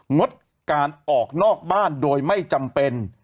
งดการออกนอกบ้านโดยไม่จำเป็น